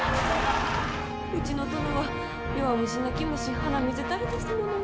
うちの殿は弱虫泣き虫鼻水垂れですものね。